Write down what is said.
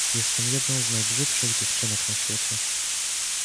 Jestem jedną z najbrzydszych dziewczynek na świecie.